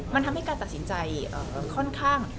มันทำให้การตัดสินใจค่อนข้าง